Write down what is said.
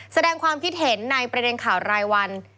แสดงความคิดเห็นในประเด็นข่าวรายวัน